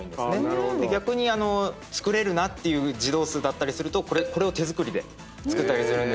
逆に作れるなっていう児童数だったりするとこれを手作りで作ったりするんですね。